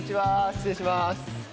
失礼します。